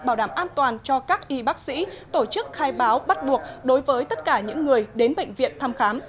bảo đảm an toàn cho các y bác sĩ tổ chức khai báo bắt buộc đối với tất cả những người đến bệnh viện thăm khám